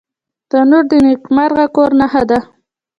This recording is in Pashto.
تنور د نیکمرغه کور نښه ده